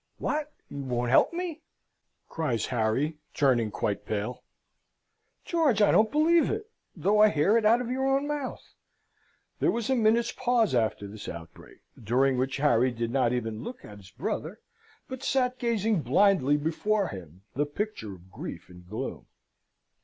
"What! You won't help me?" cries Harry, turning quite pale. "George, I don't believe it, though I hear it out of your own mouth! There was a minute's pause after this outbreak, during which Harry did not even look at his brother, but sate, gazing blindly before him, the picture of grief and gloom.